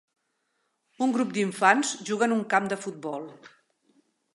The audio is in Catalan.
Un grup d'infants juga en un camp de futbol.